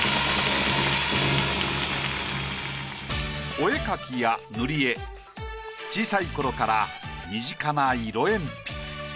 お絵描きや塗り絵小さい頃から身近な色鉛筆。